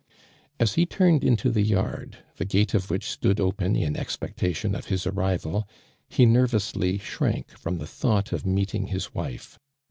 As he turned into the yard, the gate of which .stood open in expectation of his ar rival, he nervously shrank from the thought of meeting his wife.